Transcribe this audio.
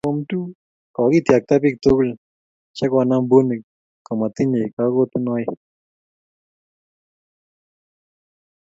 kokityakta biik tugul chekonam bunik komotinyei kakotunoik